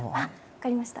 分かりました。